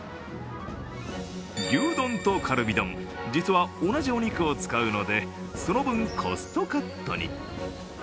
牛丼とカルビ丼、実は同じお肉を使うので、その分コストカットに。